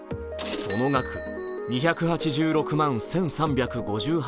その額２６８万１３５８円。